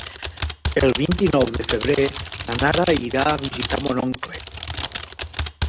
El vint-i-nou de febrer na Nara irà a visitar mon oncle.